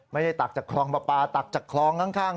ไม่ได้ตักจากคลองปลาตักจากคลองข้าง